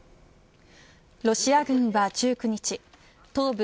ロシア軍は１９日東部